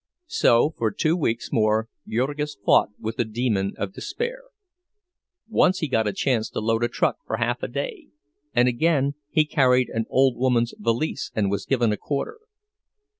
So for two weeks more Jurgis fought with the demon of despair. Once he got a chance to load a truck for half a day, and again he carried an old woman's valise and was given a quarter.